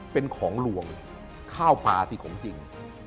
เป็นของลวงข้าวปลาสิของจริง